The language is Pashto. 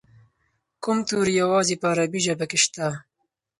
کوم توري یوازې په عربي ژبه کې شته؟